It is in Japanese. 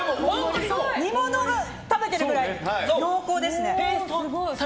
煮物食べてるくらい濃厚ですね。